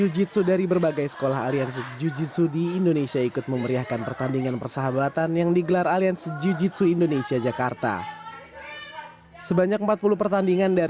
jiu jitsu indonesia